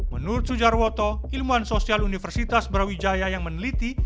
menurut sujarwoto ilmuwan sosial universitas brawijaya yang meneliti